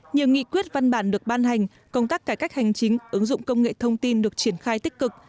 nhiều nghị quyết văn bản được ban hành công tác cải cách hành chính ứng dụng công nghệ thông tin được triển khai tích cực